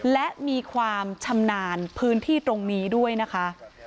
และมีความชำนาญพื้นที่ตรงนี้ด้วยนะคะ